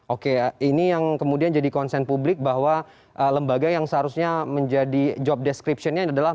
oke ini yang kemudian jadi konsen publik bahwa lembaga yang seharusnya menjadi job descriptionnya adalah